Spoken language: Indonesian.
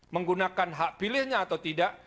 menggunakan hak pilihnya atau tidak